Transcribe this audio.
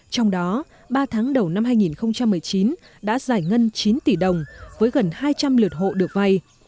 trong đó ba tháng đầu năm hai nghìn một mươi chín đã giải ngân chín tỷ đồng với gần hai trăm linh lượt hộ được vay